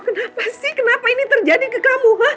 kenapa sih kenapa ini terjadi ke kamu